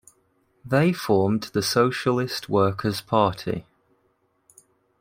They formed the Socialist Workers Party.